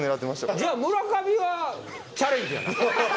じゃあ村上はチャレンジやな。